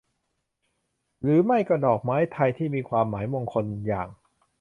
หรือไม่ก็ดอกไม้ไทยที่มีความหมายมงคลอย่าง